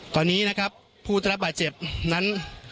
ตอนนี้นะครับพุทธรรพบาทเจ็บนั้น